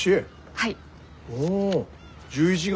はい。